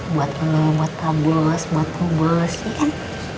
buat lu buat tabus buat rumah sih kan